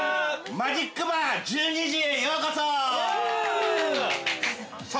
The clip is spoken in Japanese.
◆マジッバー十二時へようこそ。